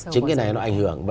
chính cái này nó ảnh hưởng